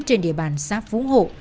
trên địa bàn xã phú hộ